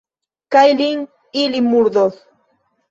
Kaj lin ili murdos!